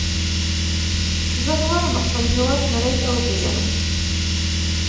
زه غواړم خپل هېواد نړۍ ته وپیژنم.